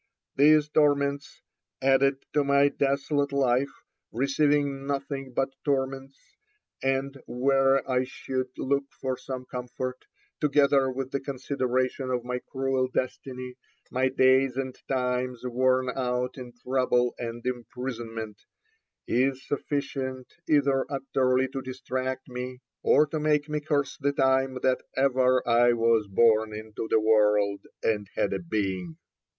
These torments, added to my desolate life receiving nothing but torments, and where I should look for some comfort, together with the consideration of my cruel destiny, my days and times worn out in trouble and imprisonment is sufficient either utterly to distract me, or to make me curse the time that ever I was born into the world, and had a being.